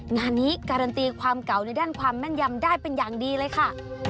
งานนี้การันตีความเก่าในด้านความแม่นยำได้เป็นอย่างดีเลยค่ะ